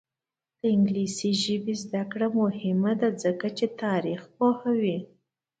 د انګلیسي ژبې زده کړه مهمه ده ځکه چې تاریخ پوهوي.